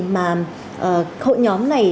mà hội nhóm này